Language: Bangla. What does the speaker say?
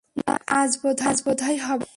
না, আজ বোধহয় হবে না।